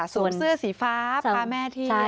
สวมเสื้อสีฟ้าพาแม่เที่ยว